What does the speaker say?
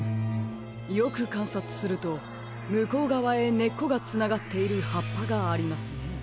よくかんさつするとむこうがわへねっこがつながっているはっぱがありますね。